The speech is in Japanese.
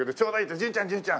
「純ちゃん純ちゃん